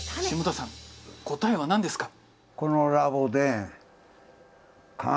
霜多さん答えは何ですか？